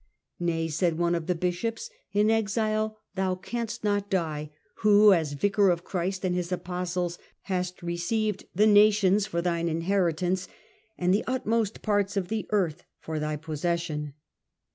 ' Nay,' said one of the bishops, ' in exile thou canst not die, who as vicar of Christ and His Apostles, hast received the nations for thine inheritance, and the utmost parts of the earth for thy possession.'